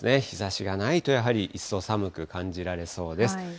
日ざしがないと一層寒く感じられそうです。